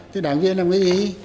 thế đảng viên là cái gì